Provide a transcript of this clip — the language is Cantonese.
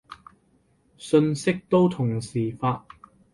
信息都同時發